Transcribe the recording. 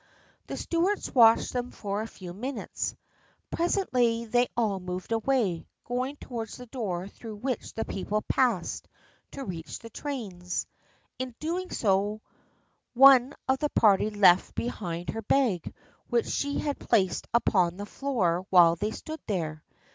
The Stuarts watched them for a few minutes. Presently they all moved away, going towards the door through which the people passed to reach the trains. In doing so one of the party left be hind her a bag which she had placed upon the floor while they stood there.